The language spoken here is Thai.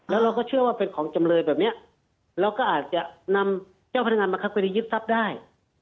แล้วเราก็เชื่อว่าเป็นของจำเลยแบบนี้เราก็อาจจะนำเจ้าพนักงานบังคับคดียึดทรัพย์ได้